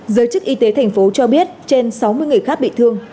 giới chức y tế thành phố cho biết trên sáu mươi người khác bị thương